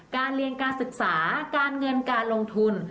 การเรียนการศึกษาการเงินการลงทุน